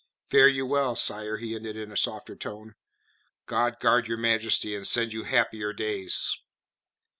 Fare you well, sire," he ended in a softer tone. "God guard Your Majesty and send you happier days."